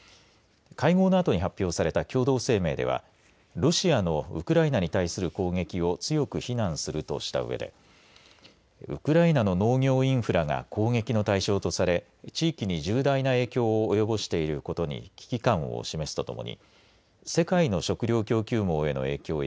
会合のあとに発表された共同声明ではロシアのウクライナに対する攻撃を強く非難するとしたうえでウクライナの農業インフラが攻撃の対象とされ地域に重大な影響を及ぼしていることに危機感を示すとともに世界の食料供給網への影響